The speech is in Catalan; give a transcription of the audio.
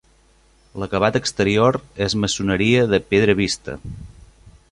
L'acabat exterior és maçoneria de pedra vista.